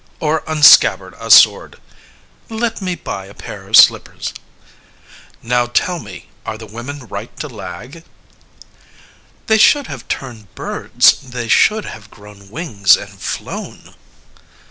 LYSISTRATA Or unscabbard a sword CALONICE Let me buy a pair of slipper. LYSISTRATA Now, tell me, are the women right to lag? CALONICE They should have turned birds, they should have grown wings and flown.